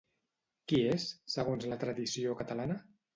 Qui és, segons la tradició catalana?